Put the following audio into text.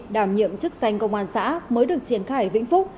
đảm nhiệm chức danh công an xã mới được triển khai ở vĩnh phúc